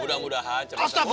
mudah mudahan cuma semua